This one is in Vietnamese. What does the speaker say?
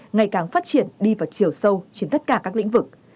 ngày càng phát triển đi vào chiều sâu trên tất cả các lĩnh vực